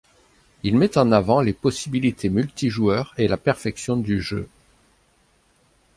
Il met en avant les possibilités multijoueur et la perfection du jeu.